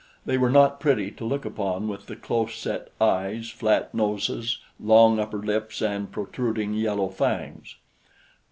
They were not pretty to look upon with their close set eyes, flat noses, long upper lips and protruding yellow fangs.